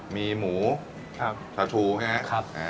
มีข้าวโพดด้วย